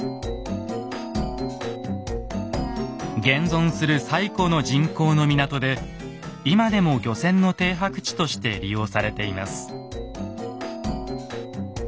現存する最古の人工の港で今でも漁船の停泊地として利用されています。